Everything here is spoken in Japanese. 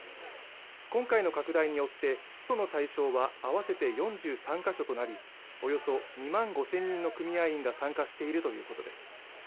今回の拡大によってその対象は合わせて４３か所となりおよそ２万５０００人の組合員が参加しているということです